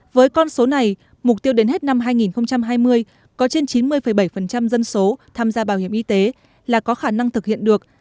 với con số này mục tiêu đến hết năm hai nghìn hai mươi có trên chín mươi bảy dân số tham gia bảo hiểm y tế là có khả năng thực hiện được